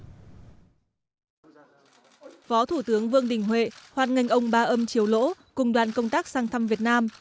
phó thủ tướng vương đình huệ hoan nghênh ông ba âm triều lỗ cùng đoàn công tác sang thăm việt nam